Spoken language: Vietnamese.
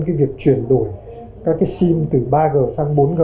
cái việc chuyển đổi các cái sim từ ba g sang bốn g